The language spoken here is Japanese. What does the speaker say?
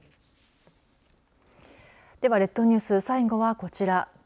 では列島ニュース最後はこちら。